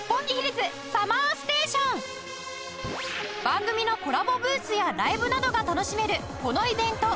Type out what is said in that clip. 番組のコラボブースやライブなどが楽しめるこのイベント